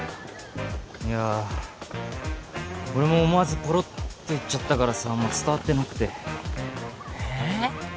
いや俺も思わずポロッと言っちゃったからさあんま伝わってなくてええ